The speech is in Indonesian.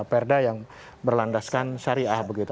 ada perintah yang berlandaskan syariah begitu